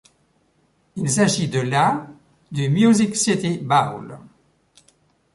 Il s'agit de la du Music City Bowl.